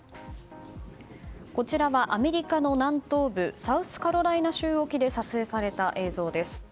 こちらはアメリカの南東部サウスカロライナ州沖で撮影された映像です。